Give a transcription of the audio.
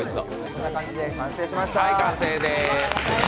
こんな感じで完成しました！